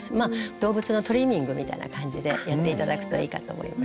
動物のトリミングみたいな感じでやって頂くといいかと思います。